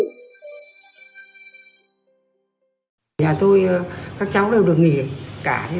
nhà tôi các cháu đều được nghỉ cả